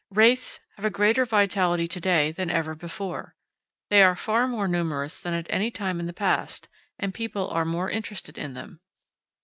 Wraiths have a greater vitality to day than ever before. They are far more numerous than at any time in the past, and people are more interested in them.